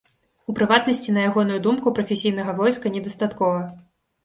У прыватнасці, на ягоную думку, прафесійнага войска недастаткова.